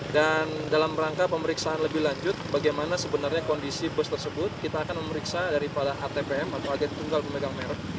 dan dalam rangka pemeriksaan lebih lanjut bagaimana sebenarnya kondisi bus tersebut kita akan memeriksa daripada atpm atau agen tunggal pemegang merk